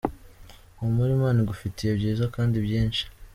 humura Imana igufitiye byiza kandi byinshi.